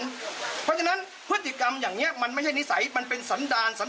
เพราะฉะนั้นพฤติกรรมอย่างนี้มันไม่ใช่นิสัยมันเป็นสันดาลสัน